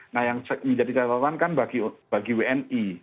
nah yang menjadi catatan kan bagi wni